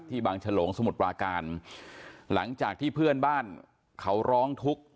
บางฉลงสมุทรปราการหลังจากที่เพื่อนบ้านเขาร้องทุกข์